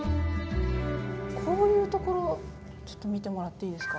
こういうところちょっと見てもらっていいですか。